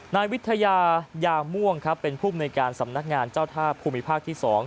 นายวิทยายาม่วงครับเป็นผู้มนุยการสำนักงานเจ้าท่าภูมิภาคที่๒